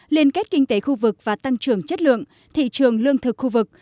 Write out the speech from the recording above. liên kết kinh tế khu vực và tăng trưởng chất lượng thị trường lương thực khu vực